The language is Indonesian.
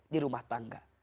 di rumah tangga